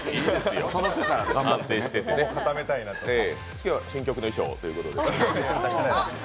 今日は新曲の衣装ということで？